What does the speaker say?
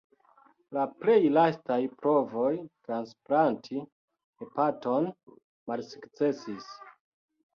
La plej lastaj provoj transplanti hepaton malsukcesis.